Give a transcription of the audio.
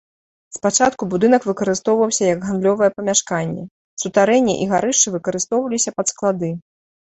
Спачатку будынак выкарыстоўваўся як гандлёвае памяшканне, сутарэнні і гарышча выкарыстоўваліся пад склады.